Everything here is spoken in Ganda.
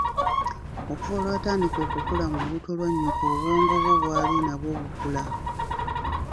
Okuva lwe watandika okukula mu lubuto lwa nnyoko obwongo bwo bwali nabwo bukula